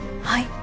はい。